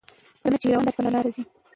لکه نه چي وي روان داسي پر لار ځي